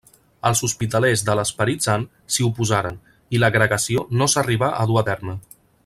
Els Hospitalers de l'Esperit Sant s'hi oposaren i l'agregació no s'arribà a dur a terme.